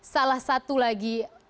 salah satu lagi